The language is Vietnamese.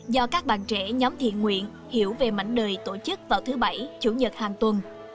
do các bạn trẻ nhóm thiện nguyện hiểu về mảnh đời tổ chức vào thứ bảy chủ nhật hàng tuần